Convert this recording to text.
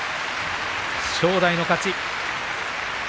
正代の勝ち。